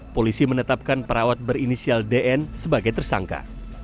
polisi menetapkan perawat berinisial dn sebagai tersangka